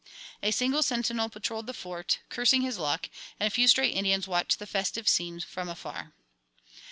A single sentinel patrolled the Fort, cursing his luck, and a few stray Indians watched the festive scene from afar.